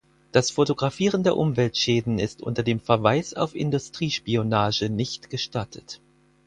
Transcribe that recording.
Das Fotografieren der Umweltschäden ist unter dem Verweis auf Industriespionage nicht gestattet.